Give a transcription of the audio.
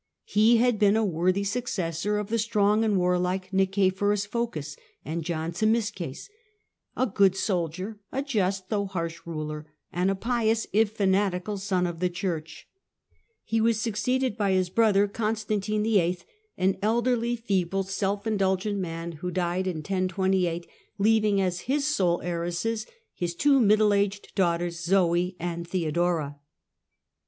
He had been a worthy successor of the strong and warlike Nicephorus Phocas and John Zimisces, a good soldier, a just, though harsh, ruler, and a pious, if fanatical, son of the Church. He Cons^n Y^ag guccecded by his brother Constantino VIII., an 1025 1028 ' elderly, feeble, self indulgent man, who died in 1028, THE EASTERN EMPIRE AND THE SELJUK TURKS 67 Lving as his sole heiresses his two middle aged daughters, Zoe and Theodora.